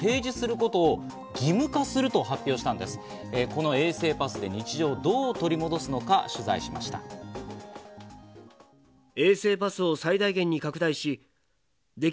この衛生パスで日常をどう取り戻すのか、現地を取材しました。